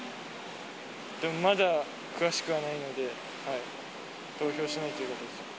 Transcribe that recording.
でもまだ詳しくはないので、投票しないです。